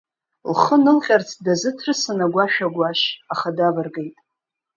Лхы анылҟьарц дазыҭрысын агәашә агәашь, аха давыргеит.